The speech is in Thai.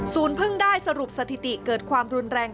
เพิ่งได้สรุปสถิติเกิดความรุนแรง